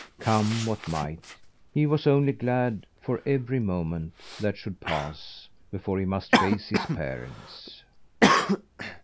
Come what might, he was only glad for every moment that should pass before he must face his parents.